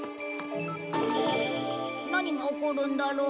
何が起こるんだろう。